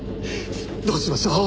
どうしましょう？